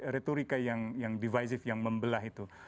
retorika yang devisive yang membelah itu